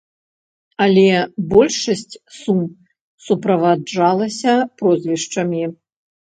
Але большасць сум суправаджаліся прозвішчамі.